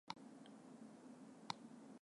きう ｎｙｈｂ